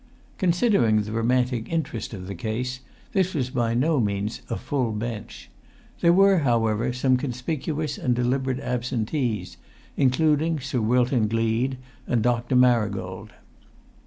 Considering the romantic interest of the case, this was by no means "a full bench"; there were, however, some conspicuous and deliberate absentees, including Sir Wilton Gleed and Dr. Marigold.